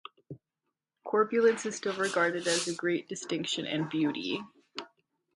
Corpulence is still regarded as a great distinction and beauty.